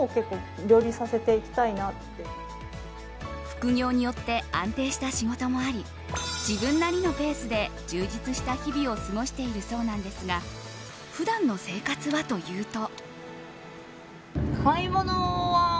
複業によって安定した仕事もあり自分なりのペースで充実した日々を過ごしているそうなんですが普段の生活はというと。